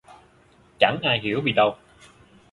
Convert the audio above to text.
Chẳng ai hiểu vì đâu